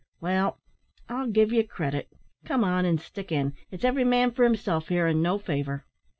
Well, I'll give ye credit; come on, and stick in. It's every man for himself here, an' no favour."